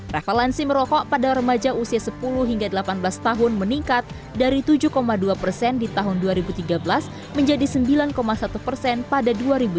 revalensi merokok pada remaja usia sepuluh hingga delapan belas tahun meningkat dari tujuh dua persen di tahun dua ribu tiga belas menjadi sembilan satu persen pada dua ribu delapan belas